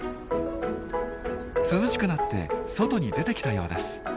涼しくなって外に出てきたようです。